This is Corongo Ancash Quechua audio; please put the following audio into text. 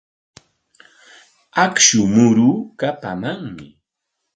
Akshu muruu kapamanmi.